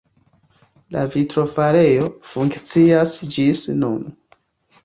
La vitrofarejo funkcias ĝis nun.